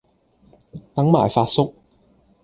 等埋發叔